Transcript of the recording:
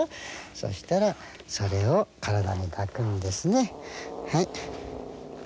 そしたらそれを体に抱くんですね。